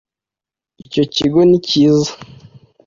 icyo kigo ni kiza